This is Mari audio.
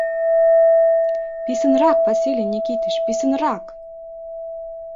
— Писынрак, Василий Никитыч, писынрак!